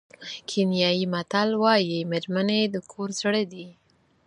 کینیايي متل وایي مېرمنې د کور زړه دي.